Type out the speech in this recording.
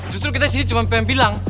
justru kita disini cuma pengen bilang